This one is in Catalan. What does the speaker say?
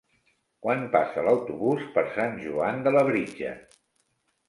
Quan passa l'autobús per Sant Joan de Labritja?